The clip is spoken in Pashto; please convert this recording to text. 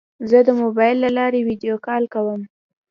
زه د موبایل له لارې ویدیو کال کوم.